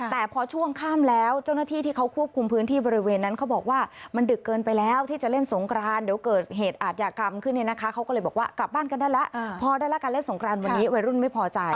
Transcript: แต่พอช่วงค่ำแล้วเจ้าหน้าที่ที่เขาควบคุมพื้นที่บริเวณนั้นเขาบอกว่ามันดึกเกินไปแล้วที่จะเล่นสงครานเดี๋ยวเกิดเหตุอาทยากรรมขึ้นเนี่ยนะคะเขาก็เลยบอกว่ากลับบ้านกันได้แล้วพอได้แล้วการเล่นสงครานวันนี้วัยรุ่นไม่พอใจ